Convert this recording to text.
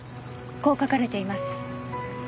こう書かれています。